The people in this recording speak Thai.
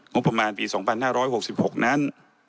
งบประมาณปี๒๕๖๖นั้น